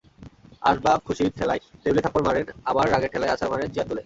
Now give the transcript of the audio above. আসবাবখুশির ঠেলায় টেবিলে থাপড় মারেন, আবার রাগের ঠেলায় আছাড় মারেন চেয়ার তুলে।